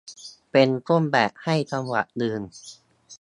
เป็นต้นแบบให้จังหวัดอื่น